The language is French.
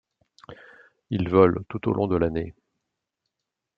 Il vole tout au long de l'année.